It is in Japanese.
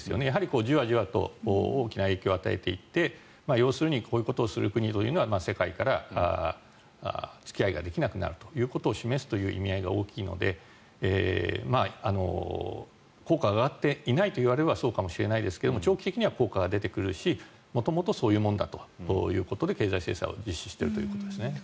やはりじわじわと大きな影響を与えていって要するにこういうことをする国は世界から付き合いができなくなるということを示すという意味合いが大きいので効果が上がっていないといえばそうかもしれないですが長期的には効果が出てくるし元々そういうものだということで経済制裁を実施しているということですね。